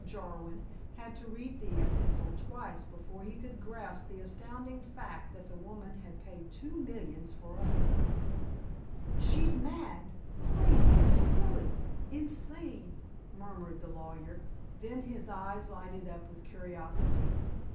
Jarwin had to read the epistle twice before he could grasp the astounding fact that the woman had paid two millions for a husband. "She's mad, crazy, silly, insane," murmured the lawyer, then his eyes lighted up with curiosity.